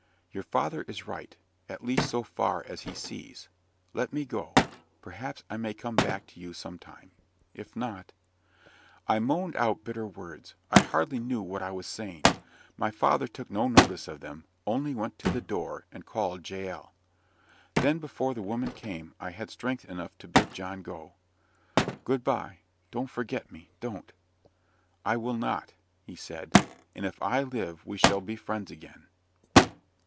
Your father is right at least so far as he sees. Let me go perhaps I may come back to you some time. If not " I moaned out bitter words I hardly knew what I was saying. My father took no notice of them, only went to the door and called Jael. Then, before the woman came, I had strength enough to bid John go. "Good bye don't forget me, don't!" "I will not," he said; "and if I live we shall be friends again.